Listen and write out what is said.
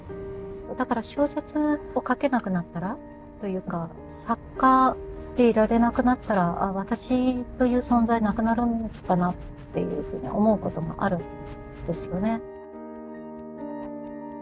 だから小説を書けなくなったらというか作家でいられなくなったら私という存在なくなるのかなっていうふうに思うこともあるんですよね。